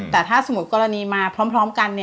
แต่ถ้าสมมุติกรณีมาพร้อมกัน